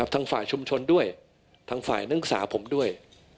ทางฝ่ายชุมชนด้วยทางฝ่ายนักศึกษาผมด้วย